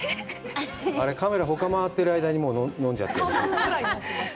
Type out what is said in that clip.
あれ、カメラほか回ってる間に飲んじゃってるし。